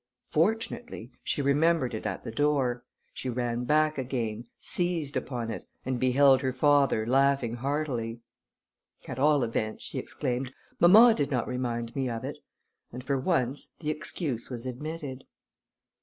Fortunately, she remembered it at the door; she ran back again, seized upon it, and beheld her father laughing heartily. "At all events," she exclaimed, "mamma did not remind me of it," and for once the excuse was admitted.